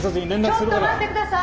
ちょっと待って下さい！